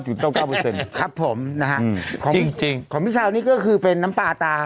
จุดเต้าเก้าโปรเซ็นต์ครับผมนะฮะจริงจริงขอมิเช้านี่ก็คือเป็นน้ำปลาตา